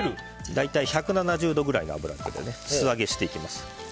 大体１７０度くらいの油で素揚げしていきます。